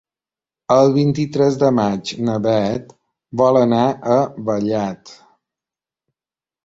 El vint-i-tres de maig na Beth vol anar a Vallat.